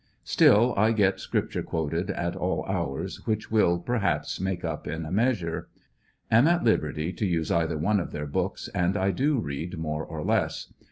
Still, I get scripture quoted at all hours, which will, perhaps, make up in a measure. Am at liberty to use either one of their booKs, and I do read more or less.